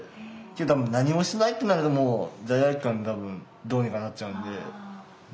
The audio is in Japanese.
多分何もしないってなると罪悪感で多分どうにかなっちゃうんで。